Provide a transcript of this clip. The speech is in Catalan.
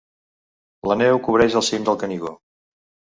La neu cobreix el cim del Canigó.